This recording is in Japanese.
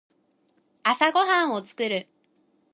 朝ごはんを作る。